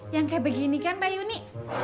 yang kayak begini kan pak yuni